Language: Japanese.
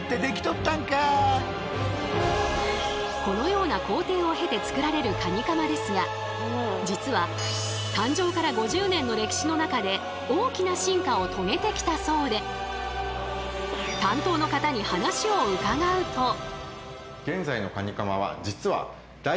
このような工程を経て作られるカニカマですが実は誕生から５０年の歴史の中で大きな進化を遂げてきたそうで担当の方に話を伺うと。